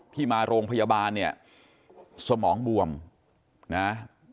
ที่มาโรงพยาบาลเนี่ยสมองบวมนะ